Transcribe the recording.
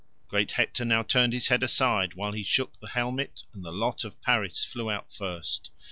Great Hector now turned his head aside while he shook the helmet, and the lot of Paris flew out first.